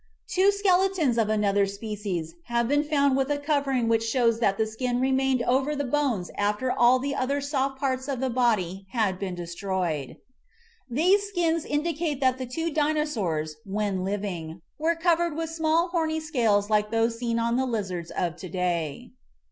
Two skeletons of another species have been found with a cover , ing which shows that the skin remained over the 24 MIGHTY ANIMALS bones after all the other soft parts of the body had been destroyed. These skins indicate that the two Dinosaurs when living were covered with small, horny scales like those seen on the lizards of to day.